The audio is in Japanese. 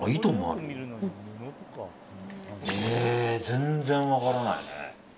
全然分からないね。